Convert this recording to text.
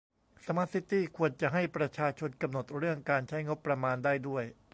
สมาร์ทซิตี้ควรจะให้ประชาชนกำหนดเรื่องการใช้งบประมาณได้ด้วย